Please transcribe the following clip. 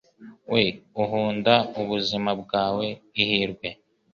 we uhunda ubuzima bwawe ihirwe